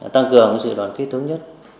tăng cường sự đoàn kết thống nhất